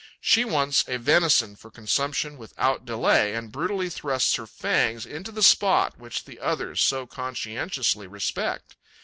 She wants a venison for consumption without delay and brutally thrusts her fangs into the spot which the others so conscientiously respect.